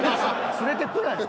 連れてくなよ。